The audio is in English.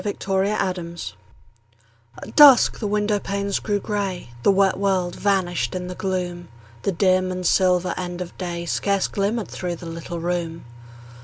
FORGIVENESS At dusk the window panes grew grey; The wet world vanished in the gloom; The dim and silver end of day Scarce glimmered through the little room.